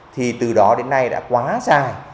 thì từ đó đến nay đã quá dài